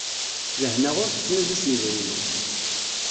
Lehna ur tettnuzu s yedrimen.